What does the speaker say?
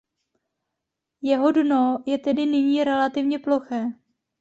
Jeho dno je tedy nyní relativně ploché.